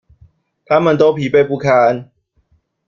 他們都疲憊不堪